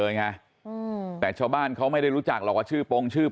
ไงอืมแต่ชาวบ้านเขาไม่ได้รู้จักหรอกว่าชื่อปงชื่อ